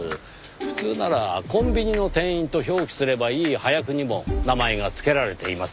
普通ならコンビニの店員と表記すればいい端役にも名前が付けられています。